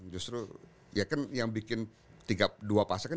justru ya kan yang bikin dua pasang